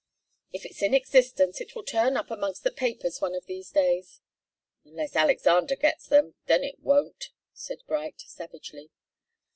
"If it's in existence, it will turn up amongst the papers one of these days." "Unless Alexander gets at them then it won't," said Bright, savagely.